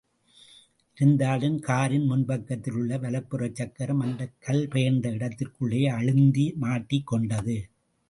இருந்தாலும் காரின் முன்பக்கத்தில் உள்ள வலப்புறச் சக்கரம் அந்தக் கல் பெயர்ந்த இடத்திற்குள்ளே அழுந்தி மாட்டிக் கொண்டது.